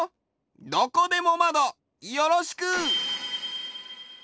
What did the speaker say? どこでもマドよろしく！